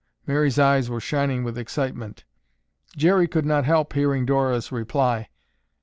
Mary's eyes were shining with excitement. Jerry could not help hearing Dora's reply.